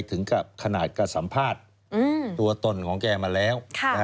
ถึงกับขนาดก็สัมภาษณ์ตัวตนของแกมาแล้ว